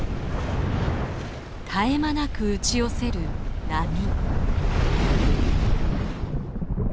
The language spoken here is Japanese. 絶え間なく打ち寄せる波。